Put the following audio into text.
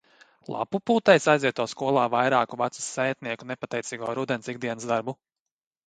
Lapu pūtējs aizvieto skolā vairāku vecu sētnieku nepateicīgo rudens ikdienas darbu.